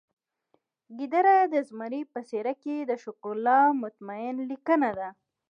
ګیدړ د زمري په څیره کې د شکرالله مطمین لیکنه ده